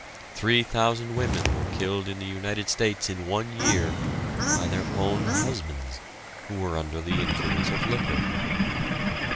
Three thousand women were killed in the United States in one year by their own husbands who were under the influence of liquor.